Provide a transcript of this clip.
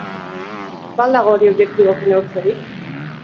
Ba al dago hori objektiboki neurtzerik?